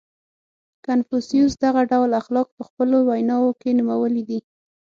• کنفوسیوس دغه ډول اخلاق په خپلو ویناوو کې نومولي دي.